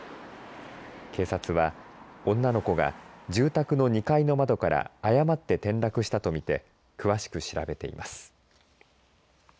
警察は女の子が住宅の２階の窓から誤って転落したと見て詳しく調べています。